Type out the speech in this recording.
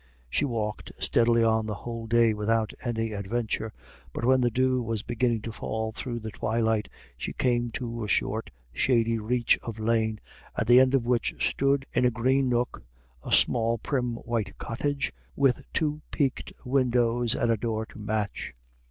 She walked steadily on the whole day without any adventure, but when the dew was beginning to fall through the twilight she came to a short, shady reach of lane, at the end of which stood, in a green nook, a small, prim white cottage with two peaked windows and a door to match.